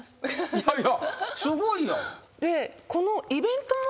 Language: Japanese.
いやいやすごいやん。